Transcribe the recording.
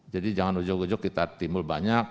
jadi jangan ujuk ujuk kita timbul banyak